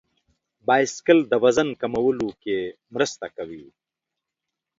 بایسکل د وزن کمولو کې مرسته کوي.